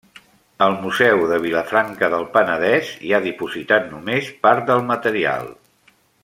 Al Museu de Vilafranca del Penedès hi ha dipositat només part del material.